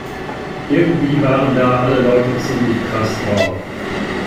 Irgendwie waren da alle Leute ziemlich krass drauf.